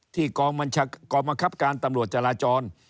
กองบังคับการตำรวจจราจร